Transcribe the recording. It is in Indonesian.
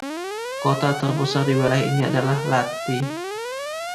Kota terbesar di wilayah ini adalah Lahti.